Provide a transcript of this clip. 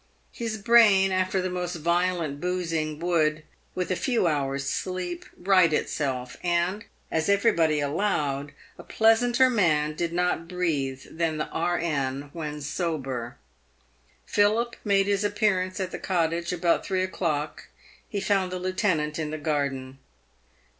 His brain, after the most violent boozing, would, with a few hours' sleep, right itself, and, as everybody allowed, a pleasanter man did not breathe than the E.N. when sober. Philip made his appearance at the cottage about three o'clock. He found the lieutenant in the garden.